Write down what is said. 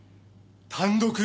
単独！